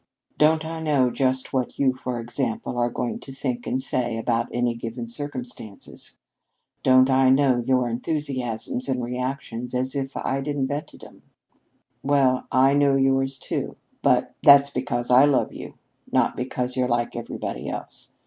"Don't I know just what you, for example, are going to think and say about any given circumstances? Don't I know your enthusiasms and reactions as if I'd invented 'em?" "Well, I know yours, too, but that's because I love you, not because you're like everybody else.